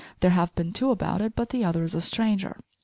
There have been two about it but the other is a stranger.